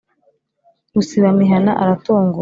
rusibamihana aratunguka